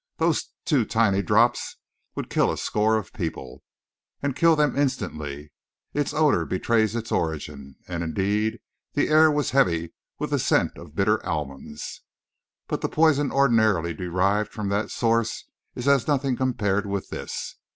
Those two tiny drops would kill a score of people, and kill them instantly. Its odour betrays its origin" and, indeed, the air was heavy with the scent of bitter almonds "but the poison ordinarily derived from that source is as nothing compared with this.